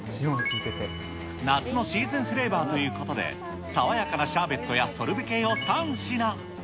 夏のシーズンフレーバーということで、爽やかなシャーベットやソルベ系を３品。